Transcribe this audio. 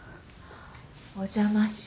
お邪魔します。